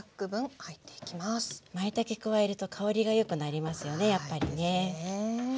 まいたけ加えると香りが良くなりますよねやっぱりね。